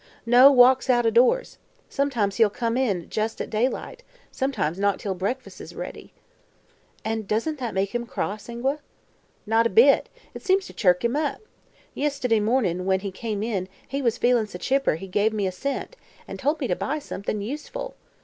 "No, walks out o' doors. Sometimes he'll come in at jes' daylight; sometimes not till break fas' is ready." "And doesn't that make him cross, Ingua?" "Not a bit. It seems to chirk him up. Yist'day mornin', when he come in, he was feelin' so chipper he give me a cent, an' told me to buy somethin' useful.